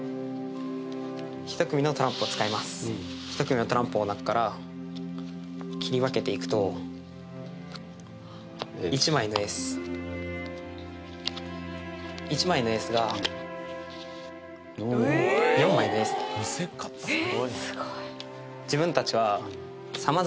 一組のトランプの中から切り分けていくと１枚のエース１枚のエースが４枚のエースになります